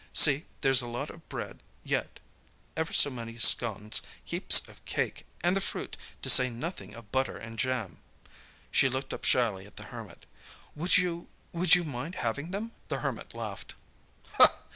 "See, there's a lot of bread yet, ever so many scones, heaps of cake, and the fruit, to say nothing of butter and jam." She looked up shyly at the Hermit. "Would you—would you mind having them?" The Hermit laughed.